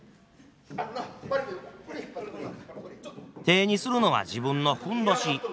手にするのは自分のふんどし。